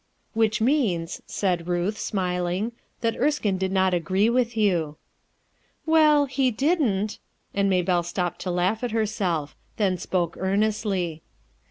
"Which means," said Ruth, smiling, "that Erskine did not agree with you." "Well, he didn't," and Maybelle stopped to laugh at herself; then spoke earnestly.